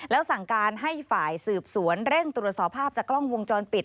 แล้วสั่งการให้ฝ่ายสืบสวนเร่งตรวจสอบภาพจากกล้องวงจรปิด